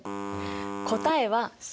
答えはＣ。